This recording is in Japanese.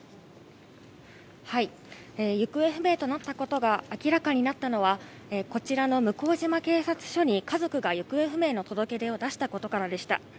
行方不明となったことが明らかになったのはこちらの向島警察署に家族が行方不明の届け出を出したことからでした。